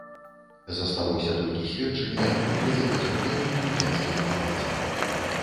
Засталося толькі сведчанне ў выглядзе пацярпелых мікенскіх палацаў.